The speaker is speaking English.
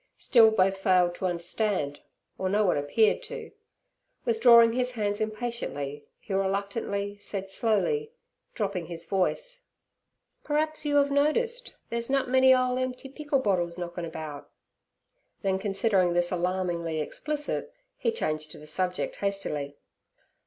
Still both failed to understand, or no one appeared to; withdrawing his hands impatiently, he reluctantly said slowly, dropping his voice: 'P'r'aps you 'ave nodiced they's nut many ole emp'y pickle bottles knockin' about'; then considering this alarmingly explicit, he changed the subject hastily.